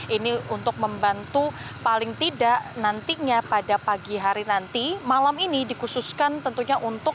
ini untuk membantu paling tidak nantinya pada pagi hari nanti malam ini dikhususkan tentunya untuk